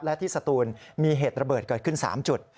และที่สตูนมีเหตุระเบิดเกิดขึ้น๓จุด